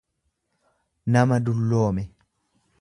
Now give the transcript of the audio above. nama dulloome.